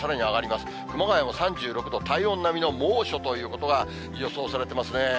熊谷も３６度、体温並みの猛暑ということが予想されてますね。